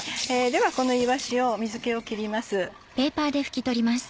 ではこのいわしを水気を切ります。